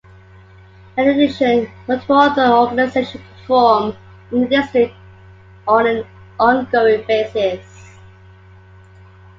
In addition, multiple other organizations perform in the District on an ongoing basis.